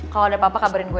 kalau ada apa apa kabarin gue